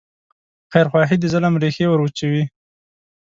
خیرخواهي د ظلم ریښې وروچوي.